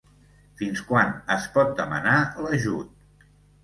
Fins quan es pot demanar l'ajut?